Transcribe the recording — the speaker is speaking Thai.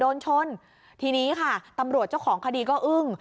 โดนชนทีนี้ค่ะตำรวจเจ้าของคดีก็อึ้ง